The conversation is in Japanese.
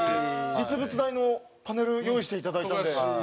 実物大のパネル用意していただいたんで。